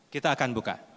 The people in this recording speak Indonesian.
kita akan buka